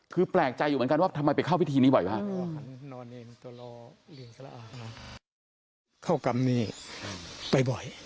คือแปลกใจอยู่เหมือนกันว่าทำไมไปเข้าพิธีนี้บ่อยมาก